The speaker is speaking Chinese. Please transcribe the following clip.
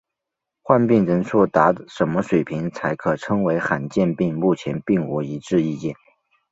患病人数达什么水平才可称为罕见病目前并无一致意见。